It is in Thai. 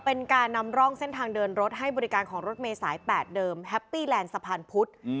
เป็นการนำร่องเส้นทางเดินรถให้บริการของรถเมย์สาย๘เดิมแฮปปี้แลนด์สะพานพุธ